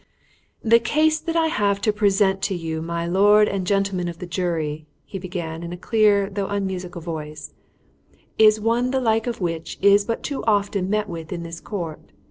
"The case that I have to present to you, my lord and gentlemen of the jury," he began in a clear, though unmusical voice, "is one the like of which is but too often met with in this court.